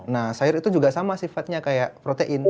nah sayur itu juga sama sifatnya kayak protein